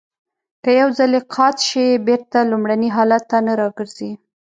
که یو ځلی قات شي بېرته لومړني حالت ته نه را گرځي.